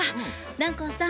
南光さん